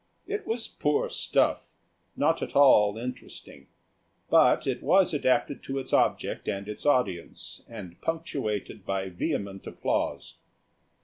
It was poor stuff; not at all interesting. But it was adapted to its object and its audience, and punctuated by vehement applause.